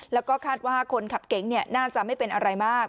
แล้วก็คาดว่าคนขับเก๋งน่าจะไม่เป็นอะไรมาก